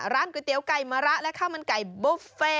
ก๋วยเตี๋ยไก่มะระและข้าวมันไก่บุฟเฟ่